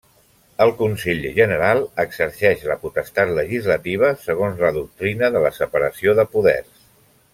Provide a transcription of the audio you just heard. El Consell General exerceix la potestat legislativa segons la doctrina de la separació de poders.